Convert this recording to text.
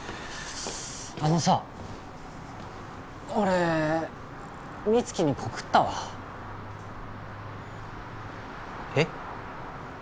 あのさ俺美月に告ったわえっ？